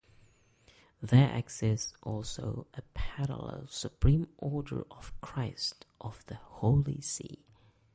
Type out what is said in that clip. There exists also a parallel Supreme Order of Christ of the Holy See.